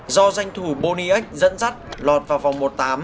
do danh thủ boniect dẫn dắt lọt vào vòng một tám